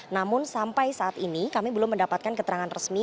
namun sampai saat ini kami belum mendapatkan keterangan resmi